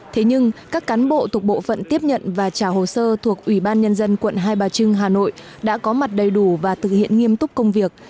thế nhưng các cán bộ thuộc bộ phận tiếp nhận và trả hồ sơ thuộc ủy ban nhân dân quận hai bà trưng hà nội đã có mặt đầy đủ và thực hiện nghiêm túc công việc